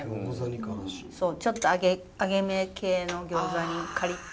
そうちょっと揚げめ系の餃子にカリッと。